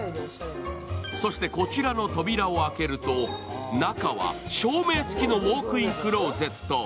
そしてこちらの扉を開けると中は照明付きのウォークインクローゼット。